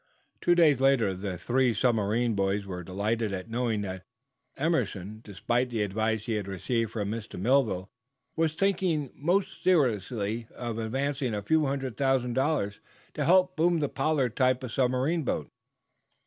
Two days later the three submarine boys were delighted at knowing that Broughton Emerson, despite the advice he had received from Mr. Melville, was thinking most seriously of advancing a few hundred thousand dollars to help boom the "Pollard" type of submarine boat.